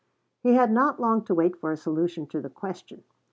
He had not long to wait for a solution of the question.